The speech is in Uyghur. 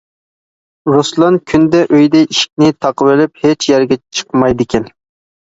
رۇسلان كۈندە ئۆيدە ئىشىكنى تاقىۋېلىپ، ھېچ يەرگە چىقمايدىكەن.